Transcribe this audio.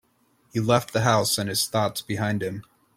He left the house and his thoughts behind him.